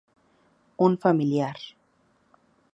Un familiar.